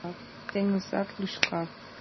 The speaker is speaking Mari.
Теҥызат лӱшка